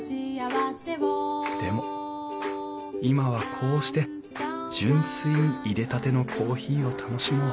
でも今はこうして純粋にいれたてのコーヒーを楽しもう